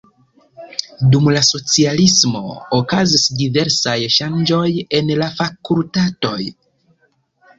Dum la socialismo okazis diversaj ŝanĝoj en la fakultatoj.